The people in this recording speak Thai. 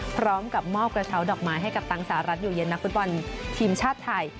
พร้อมกับมอบกระเช้าดอกไม้ให้กับตังสหรัฐอยู่เย็นนักฟุตบอลทีมชาติไทย